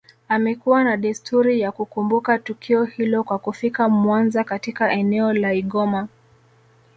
amekuwa na desturi ya kukumbuka tukio hilo kwa kufika Mwanza katika eneo la Igoma